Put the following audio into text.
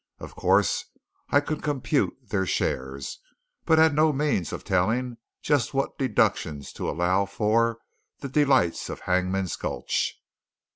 Of course I could compute their shares; but had no means of telling just what deductions to allow for the delights of Hangman's Gulch.